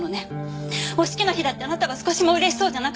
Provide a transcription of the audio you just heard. お式の日だってあなたは少しも嬉しそうじゃなかった。